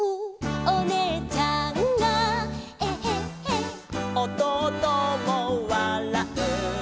「おねえちゃんがエッヘッヘ」「おとうともわらう」